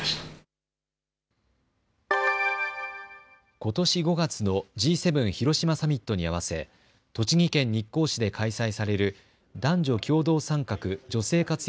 ことし５月のＧ７広島サミットに合わせ、栃木県日光市で開催される男女共同参画・女性活躍